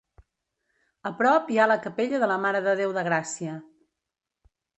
A prop hi ha la capella de la Mare de Déu de Gràcia.